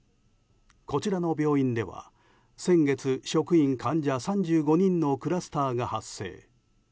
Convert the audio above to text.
こちらの病院では先月職員、患者３５人のクラスターが発生。